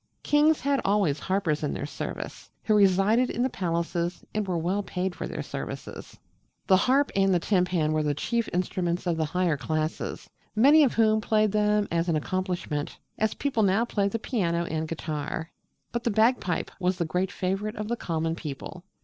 Kings had always harpers in their service, who resided in the palaces and were well paid for their services. The harp and timpan were the chief instruments of the higher classes, many of whom played them as an accomplishment, as people now play the piano and guitar. But the bagpipe was the great favourite of the common people.